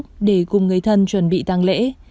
chị cùng người thân chuẩn bị tăng lễ